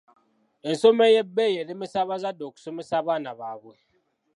Ensoma ey'ebbeeyi eremesa abazadde okusomesa abaana baabwe.